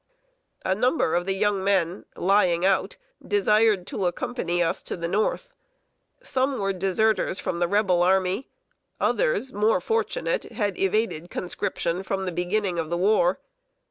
A number of the young men "lying out" desired to accompany us to the North. Some were deserters from the Rebel army; others, more fortunate, had evaded conscription from the beginning of the war.